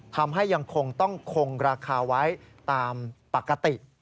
ยังคงต้องคงราคาไว้ตามปกติ